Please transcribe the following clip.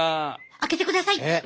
開けてください！